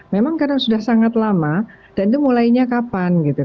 memang karena sudah sangat lama dan itu mulainya kapan gitu